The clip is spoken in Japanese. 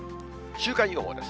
週間予報です。